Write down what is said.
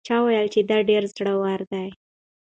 چا وویل چې دا ډېره زړه وره ده؟